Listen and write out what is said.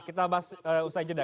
kita bahas usai jeda